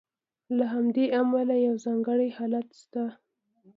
له همدې امله یو ځانګړی حالت شته.